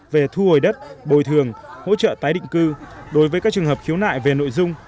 về thu hồi đất bồi thường hỗ trợ tái định cư đối với các trường hợp khiếu nại về nội dung